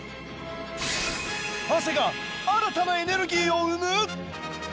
汗が新たなエネルギーを生む？